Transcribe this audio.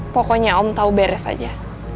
pokoknya om tahu beres aja